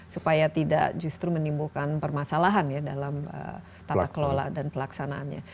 supaya tidak justru menimbulkan permasalahan ya dalam tata kelola dan pelaksanaannya